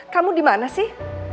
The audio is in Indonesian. kamu dimana sih